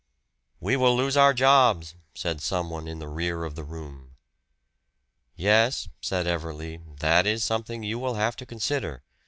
"We will lose our jobs," said some one in the rear of the room. "Yes," said Everley, "that is something you will have to consider.